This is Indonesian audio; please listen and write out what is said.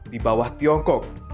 di bawah tiongkok